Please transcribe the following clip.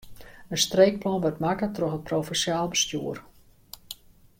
In streekplan wurdt makke troch it provinsjaal bestjoer.